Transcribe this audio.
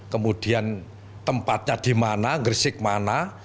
kemudian tempatnya di mana gresik mana